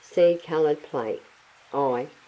See coloured plate, I 1.